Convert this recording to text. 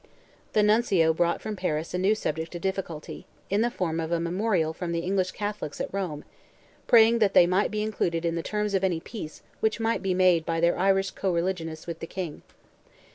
The Nuncio brought from Paris a new subject of difficulty, in the form of a memorial from the English Catholics at Rome, praying that they might be included in the terms of any peace which might be made by their Irish co religionists with the King.